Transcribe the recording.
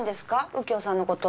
右京さんのこと。